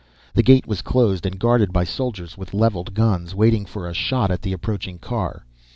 The gate was closed and guarded by soldiers with leveled guns, waiting for a shot at the approaching car.